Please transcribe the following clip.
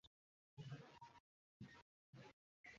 আমার স্বাস্থ্যের বর্তমান অবস্থায় আমি কাউকে সঙ্গে নিতে পারব না।